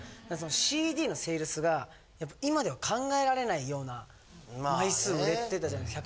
ＣＤのセールスが今では考えられないような枚数売れてたじゃないですか。